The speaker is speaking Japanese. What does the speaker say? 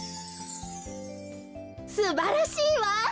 すばらしいわ！